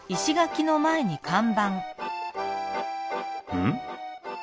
うん？